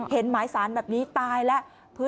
หมายสารแบบนี้ตายแล้ว